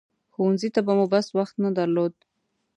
ښوونځي ته مو بس وخت نه درلود.